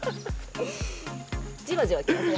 じわじわきますね。